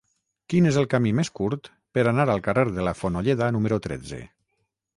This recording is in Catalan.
Quin és el camí més curt per anar al carrer de la Fonolleda número tretze?